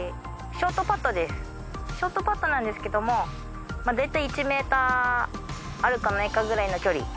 ショートパットなんですけどもだいたい１ｍあるかないかくらいの距離。